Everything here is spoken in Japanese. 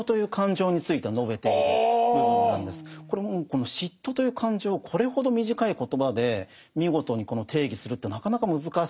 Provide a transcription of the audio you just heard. この嫉妬という感情をこれほど短い言葉で見事に定義するってなかなか難しいと思うんですね。